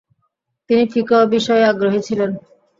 তিনি ফিকহ বিষয়ে আগ্রহী ছিলেন।